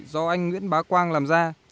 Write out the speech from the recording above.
do anh nguyễn bá quang làm ra